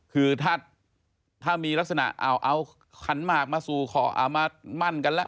คือถ้ามีลักษณะเอาขันหมากมาสู่ขอเอามามั่นกันแล้ว